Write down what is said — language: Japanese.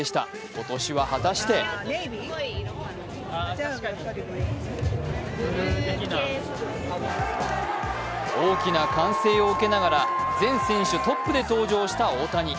今年は果たして大きな歓声を受けながら全選手トップで登場した大谷。